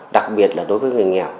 đặc biệt là đối với người nghèo